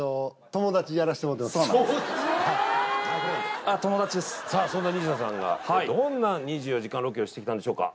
友達ですさあそんなニシダさんがどんな２４時間ロケをしてきたんでしょうか？